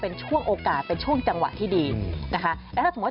เป็นช่วงโอกาสเป็นช่วงจังหวะที่ดีนะคะ